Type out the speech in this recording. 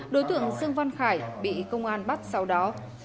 đối tượng dương văn khải bị công an bắt sau đó